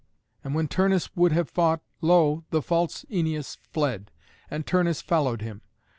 And when Turnus would have fought, lo! the false Æneas fled, and Turnus followed him.